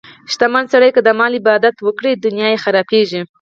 شتمن سړی که د مال عبادت وکړي، دنیا یې خرابېږي.